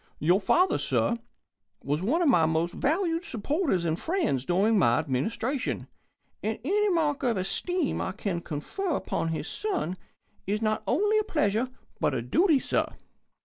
Your father, sir, was one of my most valued supporters and friends during My Administration, and any mark of esteem I can confer upon his son is not only a pleasure but a duty, sir."